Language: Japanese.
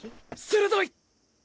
鋭い！